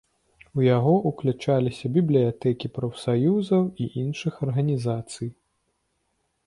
У яго ўключаліся бібліятэкі прафсаюзаў і іншых арганізацый.